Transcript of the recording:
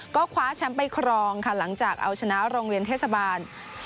ก็คว้าแชมป์ไปครองค่ะหลังจากเอาชนะโรงเรียนเทศบาล